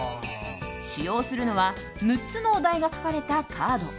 使用するのは６つのお題が書かれたカード。